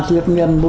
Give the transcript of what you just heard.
thiệt nhận một